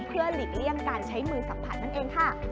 เพื่อหลีกเลี่ยงการใช้มือสัมผัสนั่นเองค่ะ